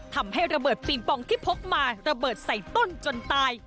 ทำให้ระเบิดปิงปองที่พกมาระเบิดใส่ต้นจนตาย